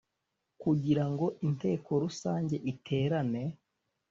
kugirango inteko rusange iterane